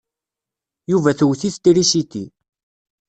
Yuba tewwet-it trisiti.